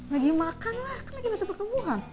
lagi makan lah kan lagi nasib berkebuhan